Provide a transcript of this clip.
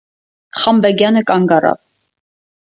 Խանբեգյանը կանգ առավ.